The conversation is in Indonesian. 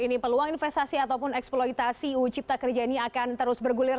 ini peluang investasi ataupun eksploitasi uu cipta kerja ini akan terus bergulir